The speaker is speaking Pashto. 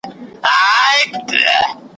ما لیدلي دي کوهي د غمازانو `